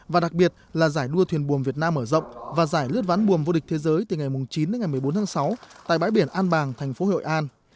và đặc biệt là giải đua thuyền buồm việt nam mở rộng và giải lướt ván buồm vô địch thế giới từ ngày chín đến ngày một mươi bốn tháng sáu tại bãi biển an bàng thành phố hội an